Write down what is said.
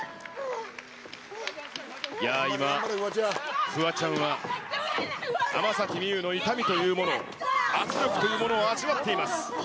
いや、今フワちゃんは天咲光由の痛みというものを、圧力というものを味わっています。